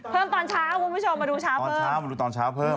เพิ่มตอนเช้าดูเช้าเพิ่ม